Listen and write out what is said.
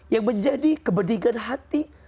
yang menjadi kebedingan hati